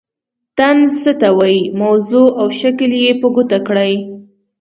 طنز څه ته وايي موضوع او شکل یې په ګوته کړئ.